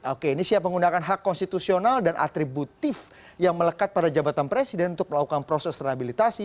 oke ini siap menggunakan hak konstitusional dan atributif yang melekat pada jabatan presiden untuk melakukan proses rehabilitasi